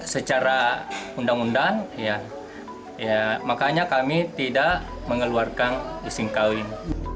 secara undang undang makanya kami tidak mengeluarkan izin kawin